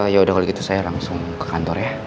yaudah kalau gitu saya langsung ke kantor ya